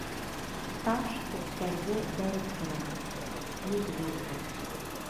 Таш күктәрҙе бәреп керә: Миҙгел дә...